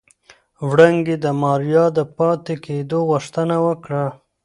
وړانګې د ماريا د پاتې کېدو غوښتنه وکړه.